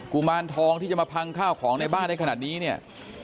ุมารทองที่จะมาพังข้าวของในบ้านได้ขนาดนี้เนี่ย